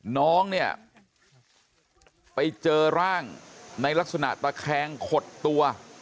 น้องเนี่ยไปเจอร่างในลักษณะตะแคงขดตัว